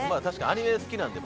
アニメ好きなんで。